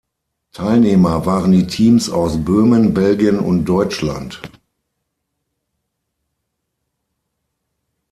Teilnehmer waren die Teams aus Böhmen, Belgien und Deutschland.